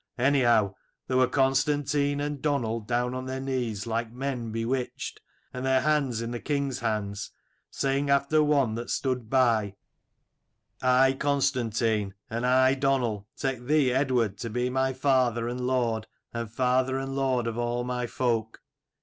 Anyhow there were Constantine and Donal down on their knees, like men bewitched, and their hands in the king's hands, saying after one that stood by 'I Constantine, and I Donal, take thee Eadward to be my father and lord, and father and lord of all my folk.'